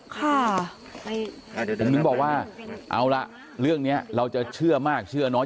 ค่ะผมถึงบอกว่าเอาละเรื่องนี้เราจะเชื่อมากเชื่อน้อย